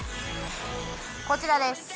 こちらです。